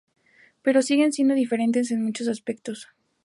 Pero siguen siendo diferentes en muchos aspectos.